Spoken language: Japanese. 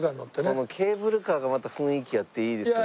このケーブルカーがまた雰囲気あっていいですよね。